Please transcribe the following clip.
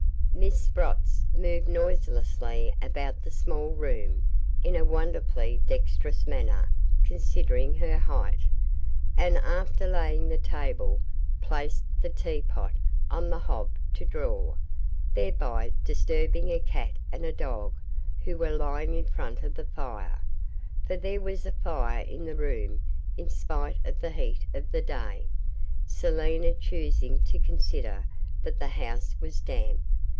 Miss Sprotts moved noiselessly about the small room, in a wonderfully dextrous manner considering her height, and, after laying the table, placed the teapot on the hob to 'draw', thereby disturbing a cat and a dog who were lying in front of the fire for there was a fire in the room in spite of the heat of the day, Selina choosing to consider that the house was damp.